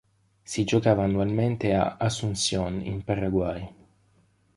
Si giocava annualmente a Asunción in Paraguay.